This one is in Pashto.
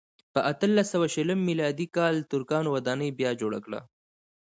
په اتلس سوه شلم میلادي کال ترکانو ودانۍ بیا جوړه کړه.